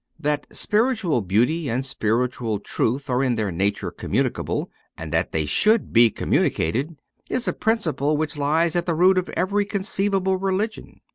That spiritual beauty and spiritual truth are in their nature communicable and that they should be communi cated, is a principle which lies at the root of every conceivable religion.